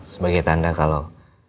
sebagai tanda kalau